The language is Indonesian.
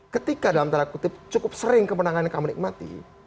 ketika dalam tanda kutip cukup sering kemenangan yang kamu nikmati